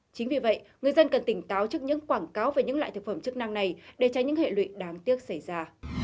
chính vì vậy người dân cần tỉnh táo trước những quảng cáo về những loại thực phẩm chức năng này để tránh những hệ lụy đáng tiếc xảy ra